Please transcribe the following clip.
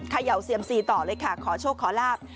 เขย่าเซียมซีต่อเลยค่ะขอโชคขอลาบ